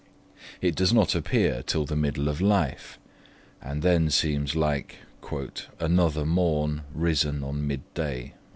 It does not appear till the middle of life, and then seems like 'another morn risen on midday'.